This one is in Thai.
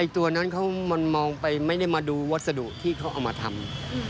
ตัวนั้นมันมองไปไม่ได้มาดูวัสดุที่เขาเอามาทำ